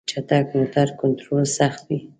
چټک موټر کنټرول سخت وي.